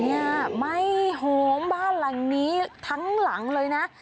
โอ้โหเนี่ยใหม่หม่าบ้านหลังนี้ทั้งหลังเลยนะ